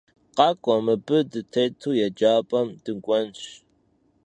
Khak'ue, mıbı dıtêtu yêcap'em dık'uenş!